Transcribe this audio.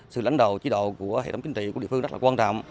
sự lãnh đạo chế độ của hệ thống kinh tế của địa phương rất quan trọng